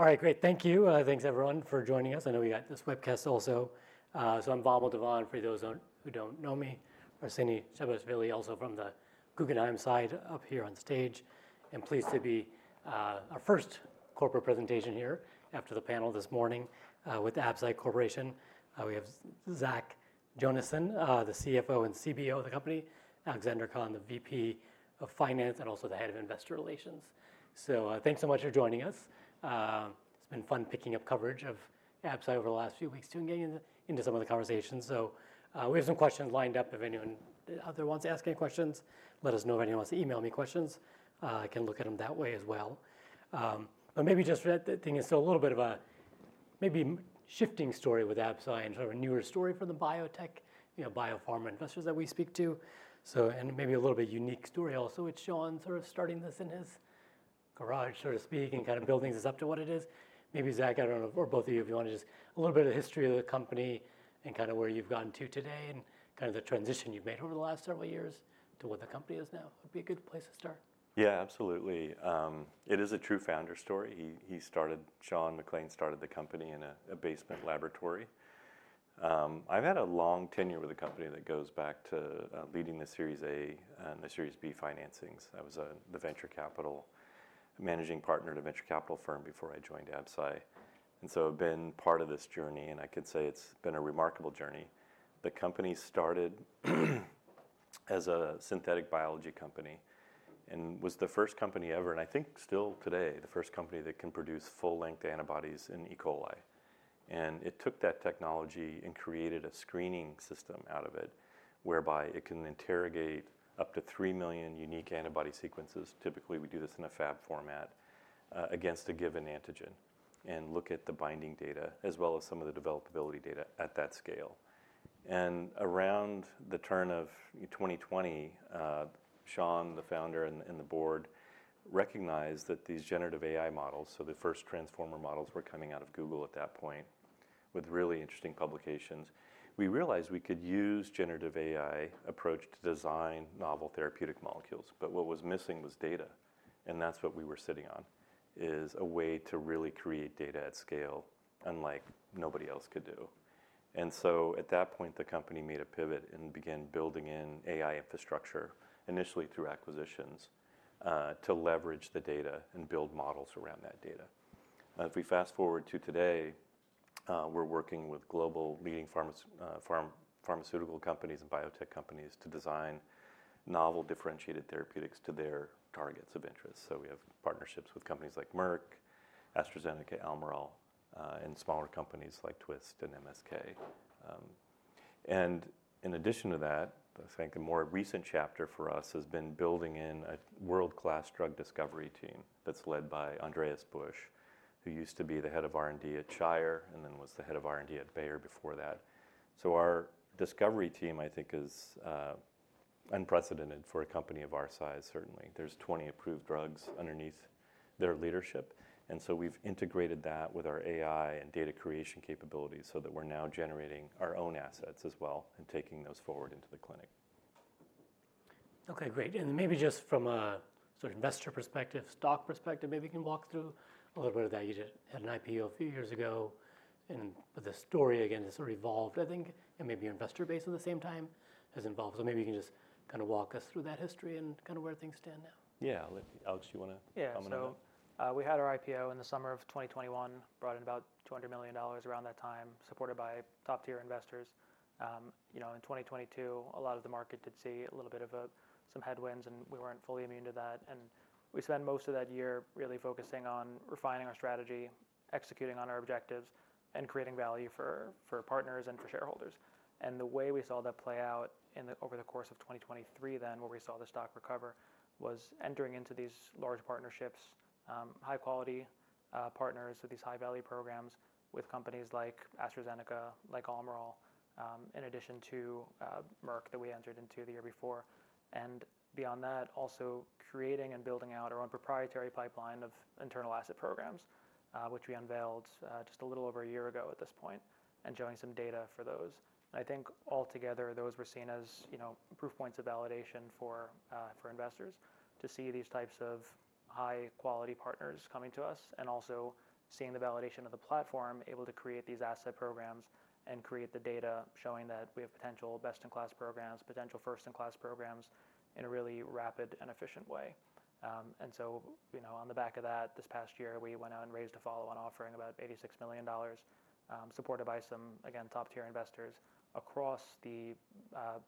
All right, great. Thank you. Thanks, everyone, for joining us. I know we got this webcast also. So I'm Vamil Divan, for those who don't know me. Arseniy Shabashvili, also from the Guggenheim side, up here on stage. And pleased to be our first corporate presentation here after the panel this morning with the Absci Corporation. We have Zach Jonasson, the CFO and CBO of the company; Alexander Khan, the VP of Finance; and also, the Head of Investor Relations. So, thanks so much for joining us. It's been fun picking up coverage of Absci over the last few weeks too and getting into some of the conversations. So, we have some questions lined up. If anyone out there wants to ask any questions, let us know. If anyone wants to email me questions, I can look at them that way as well. But maybe just for that, the thing is still a little bit of a maybe shifting story with Absci and sort of a newer story from the biotech, you know, biopharma investors that we speak to. So, and maybe a little bit unique story also with Sean sort of starting this in his garage, so to speak, and kind of building this up to what it is. Maybe Zach, I don't know, or both of you, if you want to just a little bit of the history of the company and kind of where you've gotten to today and kind of the transition you've made over the last several years to what the company is now. It would be a good place to start. Yeah, absolutely. It is a true founder story. He started, Sean McClain started the company in a basement laboratory. I've had a long tenure with the company that goes back to leading the Series A and the Series B financings. I was the venture capital managing partner at a venture capital firm before I joined Absci, and so I've been part of this journey, and I could say it's been a remarkable journey. The company started as a synthetic biology company and was the first company ever, and I think still today, the first company that can produce full-length antibodies in E. coli, and it took that technology and created a screening system out of it, whereby it can interrogate up to 3 million unique antibody sequences. Typically, we do this in a Fab format against a given antigen and look at the binding data as well as some of the developability data at that scale. And around the turn of 2020, Sean, the founder, and the board recognized that these generative AI models, so the first transformer models were coming out of Google at that point with really interesting publications. We realized we could use generative AI approach to design novel therapeutic molecules, but what was missing was data. And that's what we were sitting on, is a way to really create data at scale unlike nobody else could do. And so, at that point, the company made a pivot and began building in AI infrastructure, initially through acquisitions, to leverage the data and build models around that data. If we fast forward to today, we're working with global leading pharmaceutical companies and biotech companies to design novel differentiated therapeutics to their targets of interest, so we have partnerships with companies like Merck, AstraZeneca, Almirall, and smaller companies like Twist and MSK, and in addition to that, I think the more recent chapter for us has been building in a world-class drug discovery team that's led by Andreas Busch, who used to be the head of R&D at Shire and then was the head of R&D at Bayer before that, so our discovery team, I think, is unprecedented for a company of our size, certainly. There's 20 approved drugs underneath their leadership, and so we've integrated that with our AI and data creation capabilities so that we're now generating our own assets as well and taking those forward into the clinic. Okay, great. And maybe just from a sort of investor perspective, stock perspective, maybe you can walk through a little bit of that. You had an IPO a few years ago, and the story again has sort of evolved, I think, and maybe your investor base at the same time has evolved. So maybe you can just kind of walk us through that history and kind of where things stand now. Yeah, Alex, do you want to comment on that? Yeah, so we had our IPO in the summer of 2021, brought in about $200 million around that time, supported by top-tier investors. You know, in 2022, a lot of the market did see a little bit of some headwinds, and we weren't fully immune to that, and we spent most of that year really focusing on refining our strategy, executing on our objectives, and creating value for partners and for shareholders, and the way we saw that play out over the course of 2023 then, where we saw the stock recover, was entering into these large partnerships, high-quality partners with these high-value programs with companies like AstraZeneca, like Almirall, in addition to Merck that we entered into the year before. And beyond that, also creating and building out our own proprietary pipeline of internal asset programs, which we unveiled just a little over a year ago at this point, and showing some data for those. And I think altogether, those were seen as proof points of validation for investors to see these types of high-quality partners coming to us and also seeing the validation of the platform able to create these asset programs and create the data showing that we have potential best-in-class programs, potential first-in-class programs in a really rapid and efficient way. And so, you know, on the back of that, this past year, we went out and raised a follow-on offering of about $86 million, supported by some, again, top-tier investors across the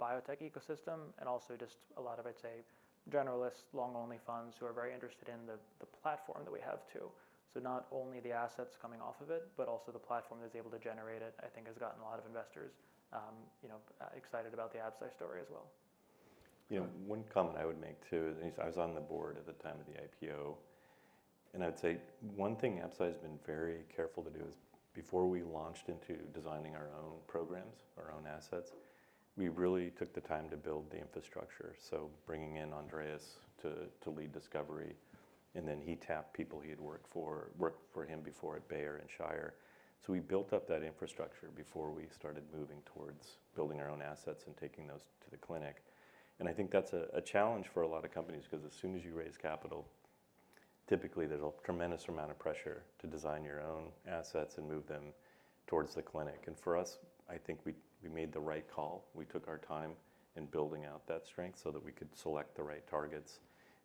biotech ecosystem and also just a lot of, I'd say, generalist long-only funds who are very interested in the platform that we have too. Not only the assets coming off of it, but also the platform that's able to generate it, I think, has gotten a lot of investors, you know, excited about the Absci story as well. You know, one comment I would make too. I was on the board at the time of the IPO, and I'd say one thing Absci has been very careful to do is before we launched into designing our own programs, our own assets, we really took the time to build the infrastructure. Bringing in Andreas to lead discovery, and then he tapped people he had worked for him before at Bayer and Shire, so we built up that infrastructure before we started moving towards building our own assets and taking those to the clinic. I think that's a challenge for a lot of companies because as soon as you raise capital, typically there's a tremendous amount of pressure to design your own assets and move them towards the clinic. For us, I think we made the right call. We took our time in building out that strength so that we could select the right targets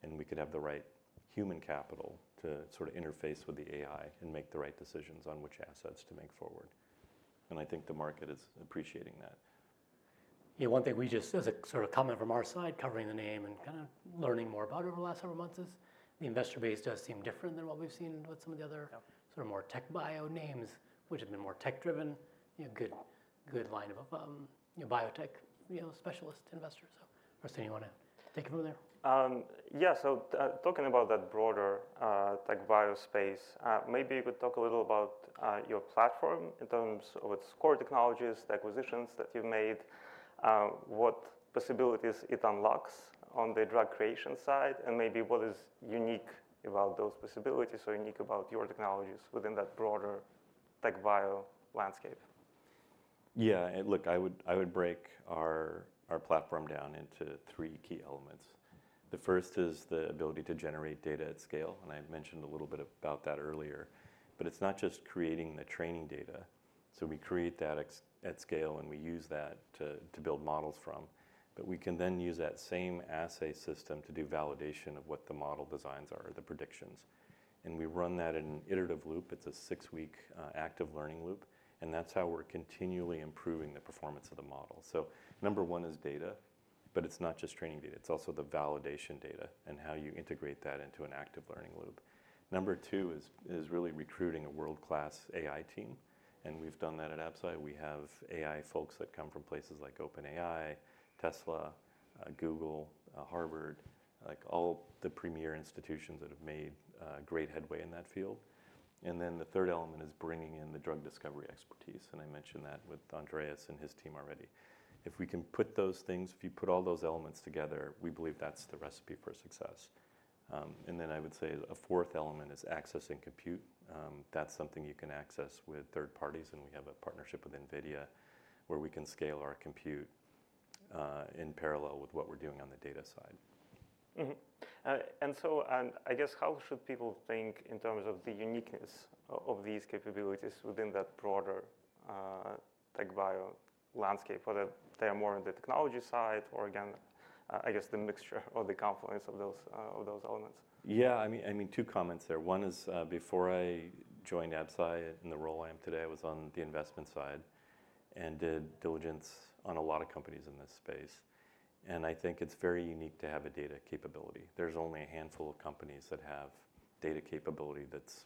and we could have the right human capital to sort of interface with the AI and make the right decisions on which assets to make forward. And I think the market is appreciating that. Yeah, one thing we just, as a sort of comment from our side, covering the name and kind of learning more about it over the last several months, is the investor base does seem different than what we've seen with some of the other sort of more tech bio names, which have been more tech-driven, you know, good line of biotech specialist investors. So, Arseniy, you want to take it from there? Yeah, so talking about that broader TechBio space, maybe you could talk a little about your platform in terms of its core technologies, the acquisitions that you've made, what possibilities it unlocks on the drug creation side, and maybe what is unique about those possibilities or unique about your technologies within that broader tech bio landscape. Yeah, look, I would break our platform down into three key elements. The first is the ability to generate data at scale, and I mentioned a little bit about that earlier, but it's not just creating the training data. So, we create that at scale, and we use that to build models from, but we can then use that same assay system to do validation of what the model designs are, the predictions. And we run that in an iterative loop. It's a six-week active learning loop, and that's how we're continually improving the performance of the model. So, number one is data, but it's not just training data. It's also the validation data and how you integrate that into an active learning loop. Number two is really recruiting a world-class AI team, and we've done that at Absci. We have AI folks that come from places like OpenAI, Tesla, Google, Harvard, like all the premier institutions that have made great headway in that field. And then the third element is bringing in the drug discovery expertise, and I mentioned that with Andreas and his team already. If we can put those things, if you put all those elements together, we believe that's the recipe for success. And then I would say a fourth element is accessing compute. That's something you can access with third parties, and we have a partnership with NVIDIA where we can scale our compute in parallel with what we're doing on the data side. I guess how should people think in terms of the uniqueness of these capabilities within that broader tech bio landscape, whether they are more on the technology side or, again, I guess the mixture or the confluence of those elements? Yeah, I mean, two comments there. One is before I joined Absci in the role I am today, I was on the investment side and did diligence on a lot of companies in this space, and I think it's very unique to have a data capability. There's only a handful of companies that have data capability that's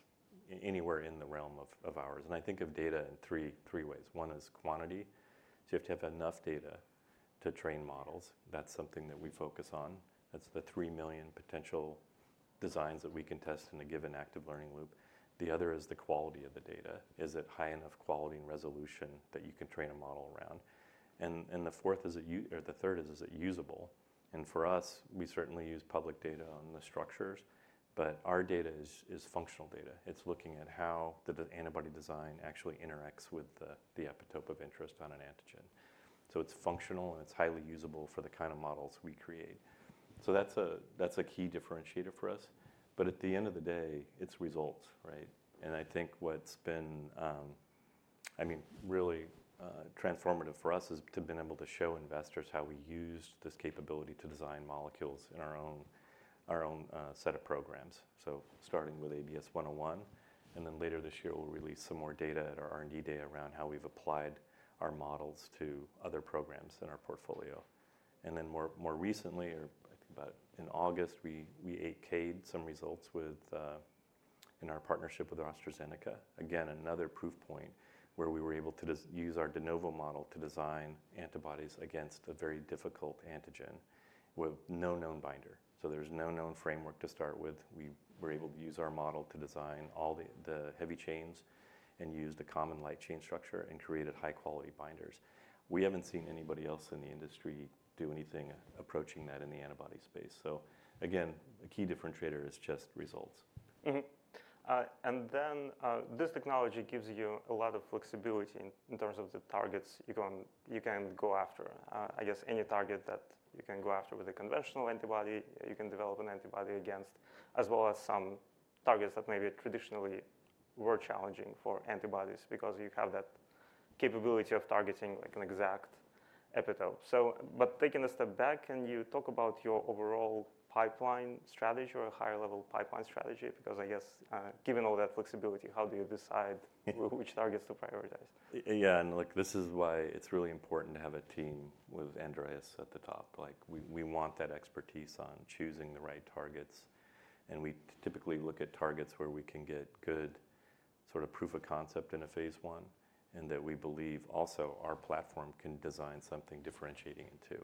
anywhere in the realm of ours. And I think of data in three ways. One is quantity. So, you have to have enough data to train models. That's something that we focus on. That's the three million potential designs that we can test in a given active learning loop. The other is the quality of the data. Is it high enough quality and resolution that you can train a model around, and the fourth is that, or the third is, is it usable? And for us, we certainly use public data on the structures, but our data is functional data. It's looking at how the antibody design actually interacts with the epitope of interest on an antigen. So it's functional and it's highly usable for the kind of models we create. So that's a key differentiator for us. But at the end of the day, it's results, right? And I think what's been, I mean, really transformative for us is to have been able to show investors how we used this capability to design molecules in our own set of programs. So, starting with ABS-101, and then later this year, we'll release some more data at our R&D Day around how we've applied our models to other programs in our portfolio. And then more recently, or I think about in August, we 8K'd some results in our partnership with AstraZeneca. Again, another proof point where we were able to use our de novo model to design antibodies against a very difficult antigen with no known binder. So, there's no known framework to start with. We were able to use our model to design all the heavy chains and use the common light chain structure and created high-quality binders. We haven't seen anybody else in the industry do anything approaching that in the antibody space. So again, a key differentiator is just results. And then this technology gives you a lot of flexibility in terms of the targets you can go after. I guess any target that you can go after with a conventional antibody, you can develop an antibody against, as well as some targets that maybe traditionally were challenging for antibodies because you have that capability of targeting like an exact epitope. So, but taking a step back, can you talk about your overall pipeline strategy or a higher-level pipeline strategy? Because I guess given all that flexibility, how do you decide which targets to prioritize? Yeah, and look, this is why it's really important to have a team with Andreas at the top. Like we want that expertise on choosing the right targets, and we typically look at targets where we can get good sort of proof of concept in a phase I and that we believe also our platform can design something differentiating into.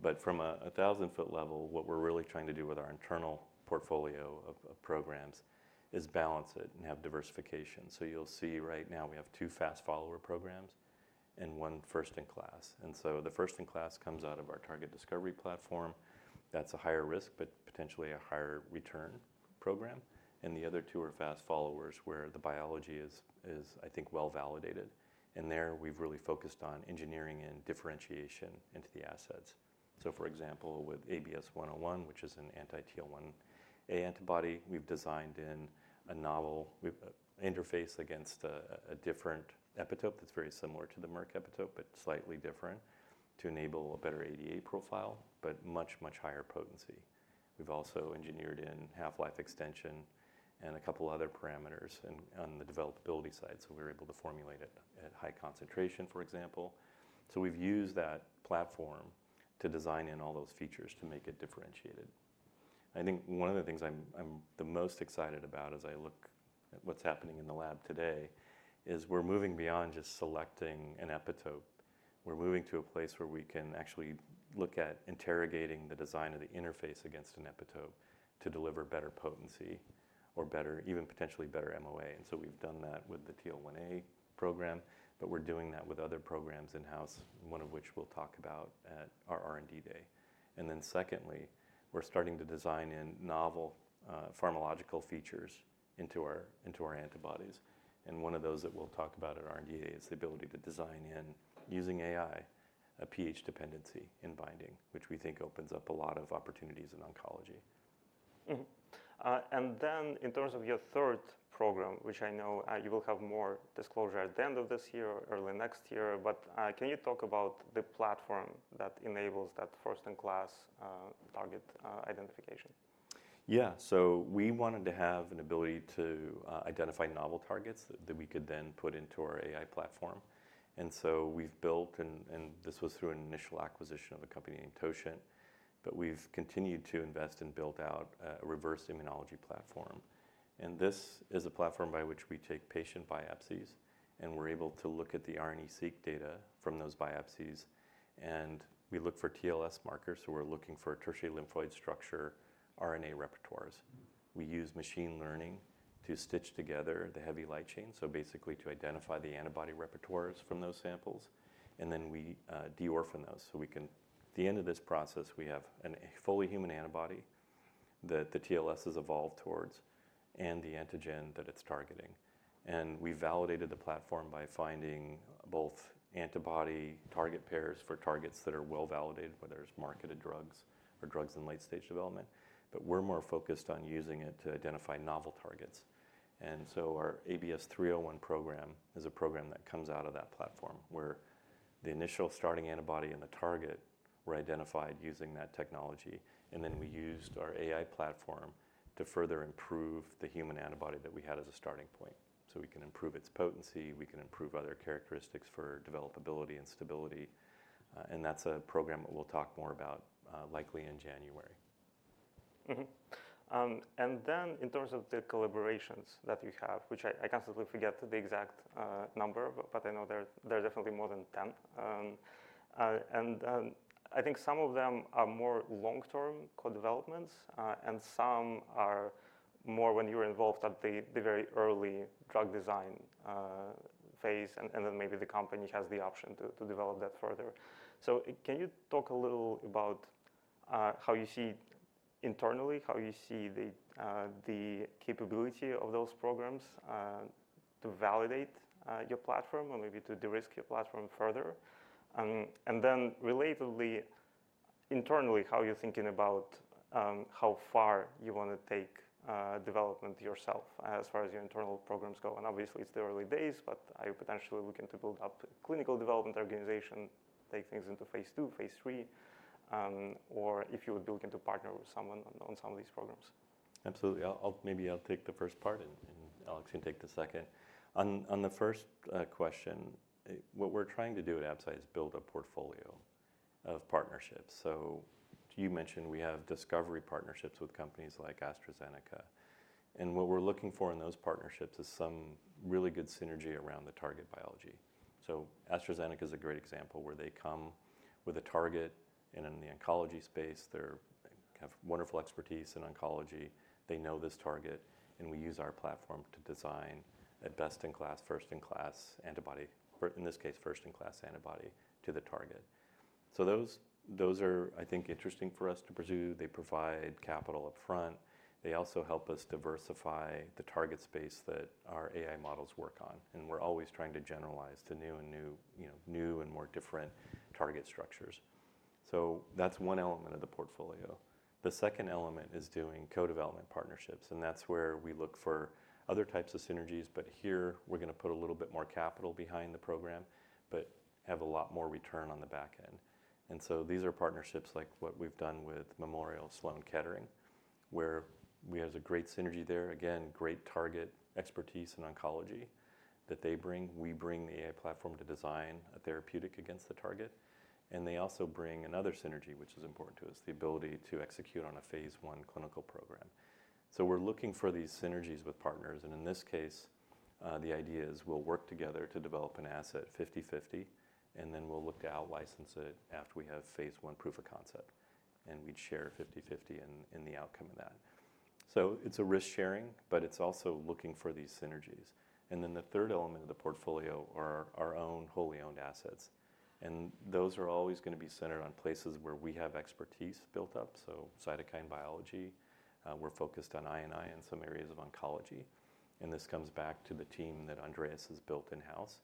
But from a thousand-foot level, what we're really trying to do with our internal portfolio of programs is balance it and have diversification. So, you'll see right now we have two fast-follower programs and one first-in-class. And so the first-in-class comes out of our target discovery platform. That's a higher risk, but potentially a higher return program. And the other two are fast-followers where the biology is, I think, well validated. And there we've really focused on engineering and differentiation into the assets. So for example, with ABS-101, which is an anti-TL1A antibody, we've designed in a novel interface against a different epitope that's very similar to the Merck epitope, but slightly different to enable a better ADA profile, but much, much higher potency. We've also engineered in half-life extension and a couple of other parameters on the developability side. So we're able to formulate it at high concentration, for example. So we've used that platform to design in all those features to make it differentiated. I think one of the things I'm the most excited about as I look at what's happening in the lab today is we're moving beyond just selecting an epitope. We're moving to a place where we can actually look at interrogating the design of the interface against an epitope to deliver better potency or better, even potentially better MOA. And so we've done that with the TL1A program, but we're doing that with other programs in-house, one of which we'll talk about at our R&D Day. And then secondly, we're starting to design in novel pharmacological features into our antibodies. And one of those that we'll talk about at R&D Day is the ability to design in, using AI, a pH dependency in binding, which we think opens up a lot of opportunities in oncology. And then in terms of your third program, which I know you will have more disclosure at the end of this year or early next year, but can you talk about the platform that enables that first-in-class target identification? Yeah, so we wanted to have an ability to identify novel targets that we could then put into our AI platform. And so we've built, and this was through an initial acquisition of a company named Totient, but we've continued to invest and build out a reverse immunology platform. And this is a platform by which we take patient biopsies and we're able to look at the RNA-seq data from those biopsies. And we look for TLS markers, so we're looking for tertiary lymphoid structure, RNA repertoires. We use machine learning to stitch together the heavy light chain, so basically to identify the antibody repertoires from those samples, and then we de-orphan those. So we can, at the end of this process, we have a fully human antibody that the TLS has evolved towards and the antigen that it's targeting. We validated the platform by finding both antibody target pairs for targets that are well validated, whether it's marketed drugs or drugs in late-stage development, but we're more focused on using it to identify novel targets. And so, our ABS-301 program is a program that comes out of that platform where the initial starting antibody and the target were identified using that technology, and then we used our AI platform to further improve the human antibody that we had as a starting point. So we can improve its potency, we can improve other characteristics for developability and stability, and that's a program that we'll talk more about likely in January. Then in terms of the collaborations that you have, which I constantly forget the exact number of, but I know there are definitely more than 10. I think some of them are more long-term co-developments, and some are more when you're involved at the very early drug design phase, and then maybe the company has the option to develop that further. Can you talk a little about how you see internally, how you see the capability of those programs to validate your platform or maybe to de-risk your platform further? Then relatedly, internally, how are you thinking about how far you want to take development yourself as far as your internal programs go? And obviously it's the early days, but are you potentially looking to build up a clinical development organization, take things into phase two, phase three, or if you would be looking to partner with someone on some of these programs? Absolutely. Maybe I'll take the first part and, Alex will take the second. On the first question, what we're trying to do at Absci is build a portfolio of partnerships. So, you mentioned we have discovery partnerships with companies like AstraZeneca, and what we're looking for in those partnerships is some really good synergy around the target biology. So, AstraZeneca is a great example where they come with a target in the oncology space. They have wonderful expertise in oncology. They know this target, and we use our platform to design a best-in-class, first-in-class antibody, in this case, first-in-class antibody to the target. So those are, I think, interesting for us to pursue. They provide capital upfront. They also help us diversify the target space that our AI models work on. And we're always trying to generalize to new and new, new and more different target structures. So that's one element of the portfolio. The second element is doing co-development partnerships, and that's where we look for other types of synergies, but here we're going to put a little bit more capital behind the program but have a lot more return on the back end. And so, these are partnerships like what we've done with Memorial Sloan Kettering, where we have a great synergy there. Again, great target expertise in oncology that they bring. We bring the AI platform to design a therapeutic against the target, and they also bring another synergy, which is important to us, the ability to execute on a phase I clinical program. So, we're looking for these synergies with partners, and in this case, the idea is we'll work together to develop an asset 50/50, and then we'll look to out-license it after we have phase one proof of concept, and we'd share 50/50 in the outcome of that. So, it's a risk sharing, but it's also looking for these synergies. And then the third element of the portfolio are our own wholly owned assets, and those are always going to be centered on places where we have expertise built up. So cytokine biology, we're focused on I&I in some areas of oncology, and this comes back to the team that Andreas has built in-house.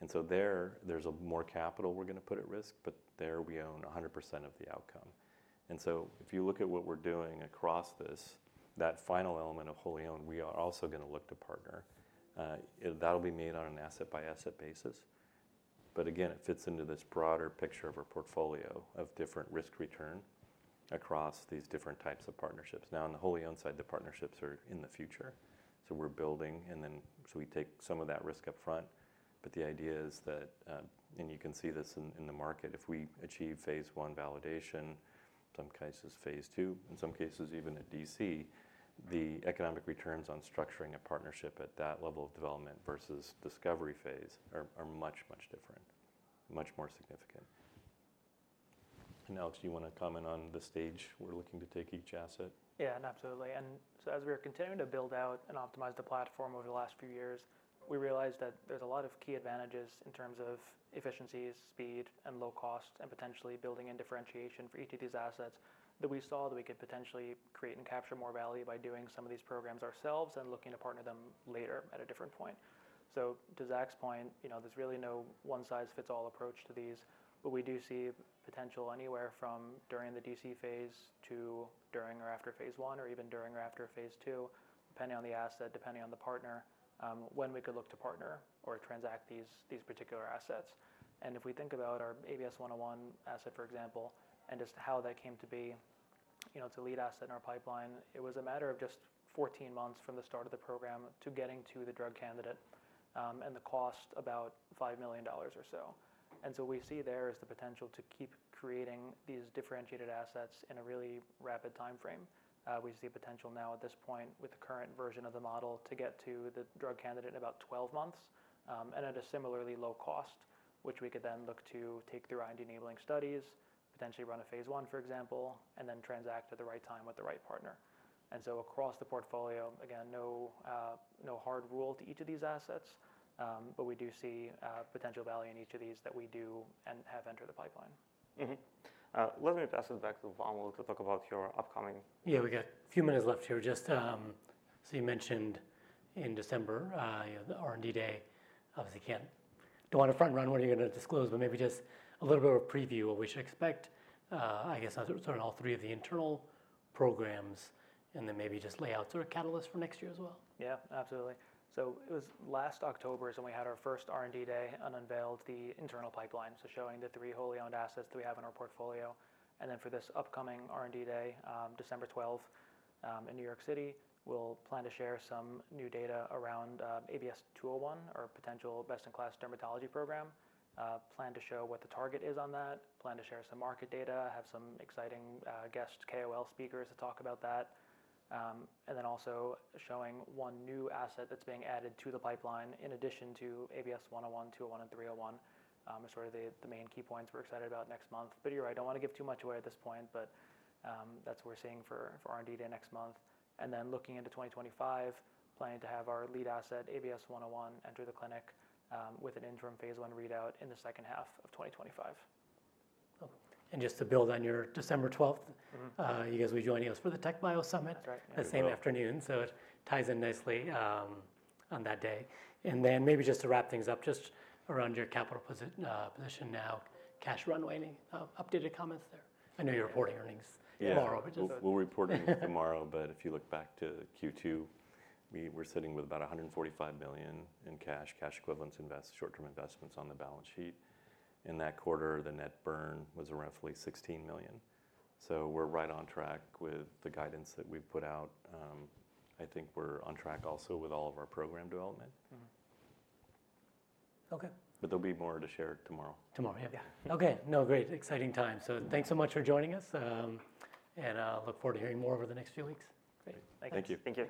And so there, there's more capital we're going to put at risk, but there we own 100% of the outcome. And so if you look at what we're doing across this, that final element of wholly owned, we are also going to look to partner. That'll be made on an asset-by-asset basis, but again, it fits into this broader picture of our portfolio of different risk return across these different types of partnerships. Now, on the wholly owned side, the partnerships are in the future, so we're building, and then so we take some of that risk upfront, but the idea is that, and you can see this in the market, if we achieve phase one validation, some cases phase two, in some cases even at DC, the economic returns on structuring a partnership at that level of development versus discovery phase are much, much different, much more significant. And Alex, do you want to comment on the stage we're looking to take each asset? Yeah, absolutely. And so as we are continuing to build out and optimize the platform over the last few years, we realized that there's a lot of key advantages in terms of efficiencies, speed, and low cost, and potentially building in differentiation for each of these assets that we saw that we could potentially create and capture more value by doing some of these programs ourselves and looking to partner them later at a different point, so to Zach's point, you know, there's really no one-size-fits-all approach to these, but we do see potential anywhere from during the DC phase to during or after phase I, or even during or after phase II, depending on the asset, depending on the partner, when we could look to partner or transact these particular assets. And if we think about our ABS 101 asset, for example, and just how that came to be, you know, it's a lead asset in our pipeline. It was a matter of just 14 months from the start of the program to getting to the drug candidate and the cost about $5 million or so. And so, what we see there is the potential to keep creating these differentiated assets in a really rapid timeframe. We see potential now at this point with the current version of the model to get to the drug candidate in about 12 months and at a similarly low cost, which we could then look to take through R&D enabling studies, potentially run a phase one, for example, and then transact at the right time with the right partner. And so across the portfolio, again, no hard rule to each of these assets, but we do see potential value in each of these that we do and have entered the pipeline. Let me pass it back to Vamil to talk about your upcoming. Yeah, we got a few minutes left here. Just so you mentioned in December, the R&D day, obviously can't, don't want to front-run what you're going to disclose, but maybe just a little bit of a preview of what we should expect, I guess, on sort of all three of the internal programs and then maybe just lay out sort of catalysts for next year as well. Yeah, absolutely. So it was last October is when we had our first R&D day and unveiled the internal pipeline, so showing the three wholly owned assets that we have in our portfolio. And then for this upcoming R&D day, December 12th in New York City, we'll plan to share some new data around ABS-201, our potential best-in-class dermatology program, plan to show what the target is on that, plan to share some market data, have some exciting guest KOL speakers to talk about that, and then also showing one new asset that's being added to the pipeline in addition to ABS-101, ABS-201, and ABS-301 are sort of the main key points we're excited about next month. But you're right, I don't want to give too much away at this point, but that's what we're seeing for R&D Day next month. Looking into 2025, planning to have our lead asset ABS-101 enter the clinic with an interim phase I read out in the second half of 2025. And just to build on your December 12th, you guys will be joining us for the TechBio Summit the same afternoon, so it ties in nicely on that day. And then maybe just to wrap things up, just around your capital position now, cash runway, any updated comments there? I know you're reporting earnings tomorrow. We'll report earnings tomorrow, but if you look back to Q2, we were sitting with about $145 million in cash, cash equivalents, investments, short-term investments on the balance sheet. In that quarter, the net burn was roughly $16 million. So, we're right on track with the guidance that we've put out. I think we're on track also with all of our program development. Okay. But there'll be more to share tomorrow. Tomorrow, yeah. Okay. No, great. Exciting time. So thanks so much for joining us, and I look forward to hearing more over the next few weeks. Great. Thank you.